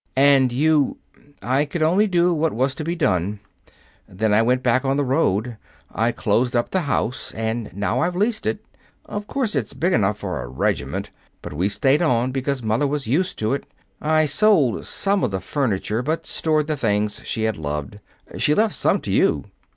"And you " "I could only do what was to be done. Then I went back on the road. I closed up the house, and now I've leased it. Of course it's big enough for a regiment. But we stayed on because mother was used to it. I sold some of the furniture, but stored the things she had loved. She left some to you."